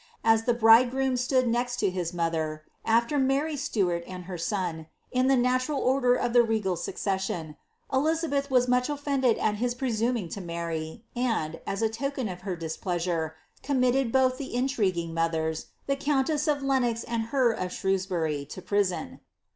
As the bride iroom stood next to his mother, after Maiy Stuart and her son, in the Mtnral order of the regal succession, Elizabeth was much oflended at lis presuming to marry, and, as a token of her displeasure, committed loth the intriguing mothers, the countess of Lenox and her of Shrews mry, to prison.